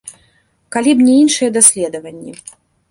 Калі б не іншыя даследаванні.